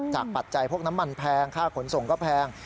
ปัจจัยพวกน้ำมันแพงค่าขนส่งก็แพง